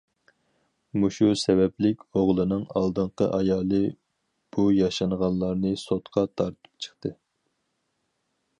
مۇشۇ سەۋەبلىك ئوغلىنىڭ ئالدىنقى ئايالى بۇ ياشانغانلارنى سوتقا تارتىپ چىقتى.